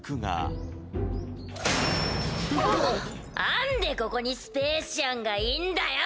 なんでここにスペーシアンがいんだよ！